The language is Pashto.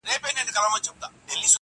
په ځنگله كي سو دا يو سل سرى پاته!